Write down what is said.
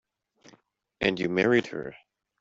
And you married her.